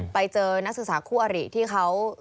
ไปเจอนักศึกษาคู่อริที่เขา